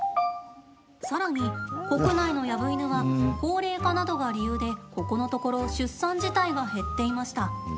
さらに、国内のヤブイヌは高齢化などが理由でここのところ出産自体が減っていました。